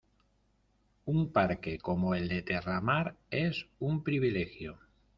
Un parque como el de Terramar es un privilegio.